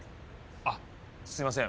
あっすいません